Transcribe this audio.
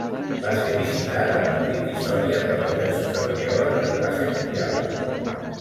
Va ser visitat a Madrid i Sòria per diversos arqueòlegs de classe mundial.